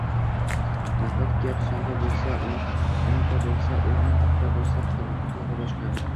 Nahot gap sonda boʻlsa?! Oʻnta boʻlsa oʻrni, qirqta boʻlsa qiligʻi boshqa.